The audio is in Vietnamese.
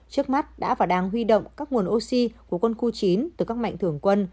trước mắt đã và đang huy động các nguồn oxy của quân khu chín từ các mạnh thường quân